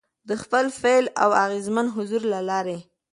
، د خپل فعال او اغېزمن حضور له لارې،